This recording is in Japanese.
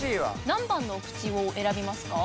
何番のクチを選びますか？